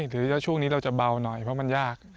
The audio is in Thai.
ถือว่าช่วงนี้เราจะเบาหน่อยเพราะมันยาก